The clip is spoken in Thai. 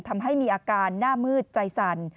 ทำให้มีอาการหน้ามืดใจสั่น